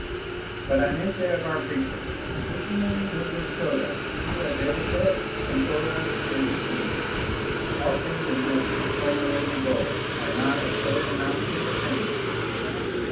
But I may say of our preacher, "Utinam nugis tota illa dedisset et tempora sævitiæ." All things in this his fulminating bull are not of so innoxious a tendency.